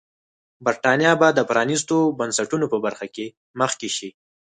برېټانیا به د پرانیستو بنسټونو په برخه کې مخکې شي.